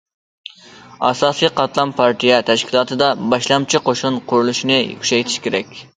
ئاساسىي قاتلام پارتىيە تەشكىلاتىدا باشلامچى قوشۇن قۇرۇلۇشىنى كۈچەيتىش كېرەك.